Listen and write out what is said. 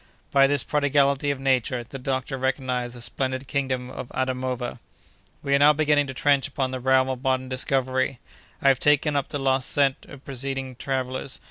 By this prodigality of Nature, the doctor recognized the splendid kingdom of Adamova. "We are now beginning to trench upon the realm of modern discovery. I have taken up the lost scent of preceding travellers.